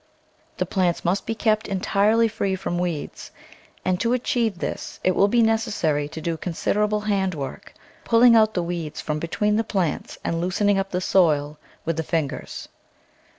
The plants must be kept entirely free from weeds, and to achieve this it will be necessary to do consider able hand work, pulling out the weeds from be tween the plants and loosening up the soil with the fingers.